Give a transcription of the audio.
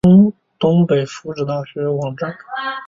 东北福祉大学网站